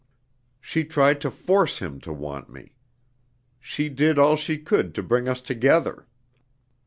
She tried to force him to want me. She did all she could to bring us together.